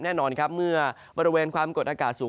แน่นอนครับเมื่อบริเวณความกดอากาศสูง